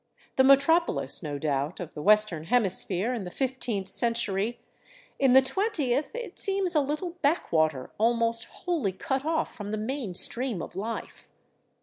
The me tropolis, no doubt, of the Western Hemisphere in the fifteenth cen tury, in the twentieth it seems a little backwater almost wholly cut off from the main stream of life.